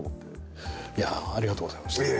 いやありがとうございました。